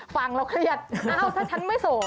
ฟังเราเครียดเอ้าถ้าฉันไม่สด